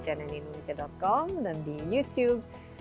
cnnindonesia com dan di youtube